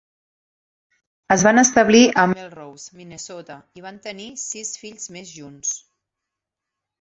Es van establir a Melrose, Minnesota, i van tenir sis fills més junts.